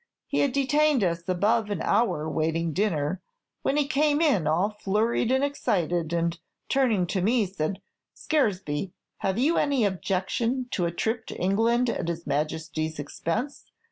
He had detained us above an hour waiting dinner, when he came in all flurried and excited, and, turning to me, said, 'Scaresby, have you any objection to a trip to England at his Majesty's expense?'